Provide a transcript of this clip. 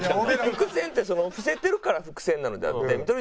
伏線って伏せてるから伏線なのであって見取り